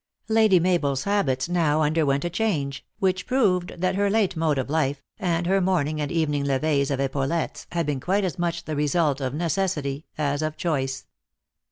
Lady Mabel s habits now underwent a change, which proved that her late mode of life, and her morn ing and evening levees of epaulettes, had been quite as much the result of necessity as of choice.